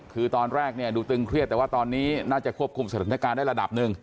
คือตอนแรกเนี่ยดูตึงเครียดแต่ว่าตอนนี้น่าจะควบคุมสถานการณ์ได้ระดับหนึ่ง